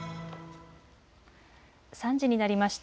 ３時になりました。